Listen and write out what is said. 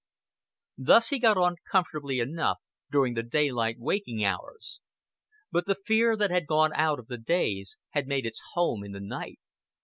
Thus he got on comfortably enough during the daylight waking hours. But the fear that had gone out of the days had made its home in the night.